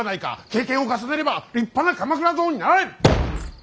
経験を重ねれば立派な鎌倉殿になられる！